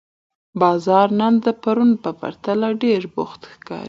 بازار نن د پرون په پرتله ډېر بوخت ښکاري